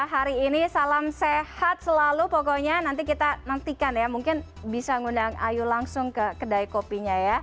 hari ini salam sehat selalu pokoknya nanti kita nantikan ya mungkin bisa ngundang ayu langsung ke kedai kopinya ya